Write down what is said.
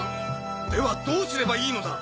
ではどうすればいいのだ！